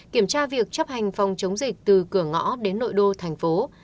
kiểm tra việc chấp hành phòng chống dịch từ cửa ngõ đến nội đô thành phố